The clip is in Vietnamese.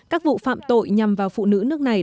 các vụ phạm tội nhằm vào phụ nữ nước này